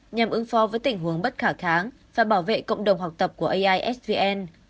nhằm ứng phó với tình huống bất khả kháng và bảo vệ cộng đồng học tập của aisvn